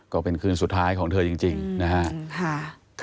ก็เป็นคืนสุดท้ายของเธอจริงนะครับ